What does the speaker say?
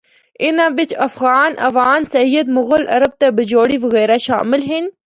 اِناں بچ افغان، آوان، سید، مغل، عرب تے بجوڑی وغیرہ شامل ہن۔